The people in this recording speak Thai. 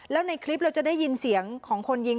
แล้วในคลิปเราจะได้ยินเสียงของคนยิง